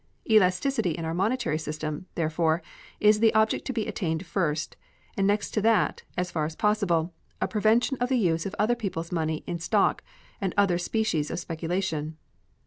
Elasticity in our monetary system, therefore, is the object to be attained first, and next to that, as far as possible, a prevention of the use of other people's money in stock and other species of speculation.